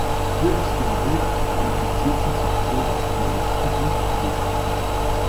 Für das Finale qualifizierten sich pro Lauf die ersten fünf Athleten.